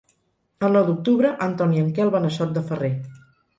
El nou d'octubre en Ton i en Quel van a Sot de Ferrer.